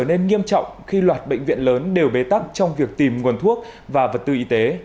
nên nghiêm trọng khi loạt bệnh viện lớn đều bế tắc trong việc tìm nguồn thuốc và vật tư y tế